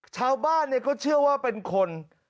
ชาวบ้านเนี่ยก็เชื่อว่าเป็นคน